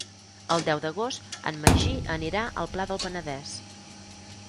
El deu d'agost en Magí anirà al Pla del Penedès.